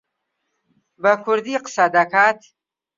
بە کوردی قسە دەکات.